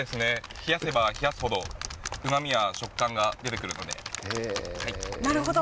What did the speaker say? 冷やせば冷やすほど、うまみや食感が出てくるのなるほど。